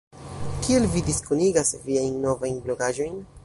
Kiel vi diskonigas viajn novajn blogaĵojn?